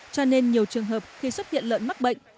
cho nên nhiều trường hợp khi xuất hiện lợn mắc bệnh